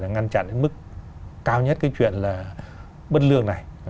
ngăn chặn đến mức cao nhất cái chuyện là bất lương này